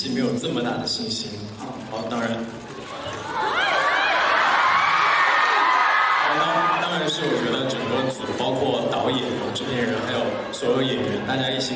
น่าจะเป็นเพราะตัวเองกับความต้องการเจ้าครัวทุกคนไม่สามารถเรื่องที่กัน